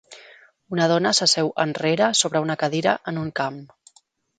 Una dona s'asseu enrere sobre una cadira en un camp.